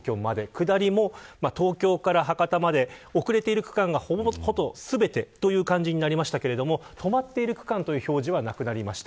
下りも東京から博多まで遅れている区間がほぼ全てという感じになりましたが止まっている区間という表示はなくなりました。